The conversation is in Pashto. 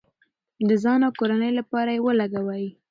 د ځان او کورنۍ لپاره یې ولګوئ.